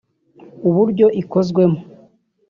uburyo ikozwemo